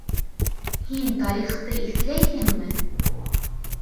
Һин тарихты иҫләйһеңме?